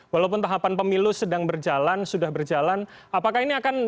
walaupun tahapan pemilu sedang berjalan sudah berjalan apakah ini akan